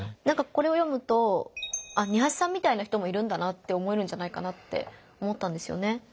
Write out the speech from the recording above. これを読むとニハチさんみたいな人もいるんだなって思えるんじゃないかなって思ったんですよね。